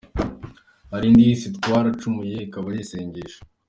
Hari indi yise Twaracumuye, ikaba ari isengesho.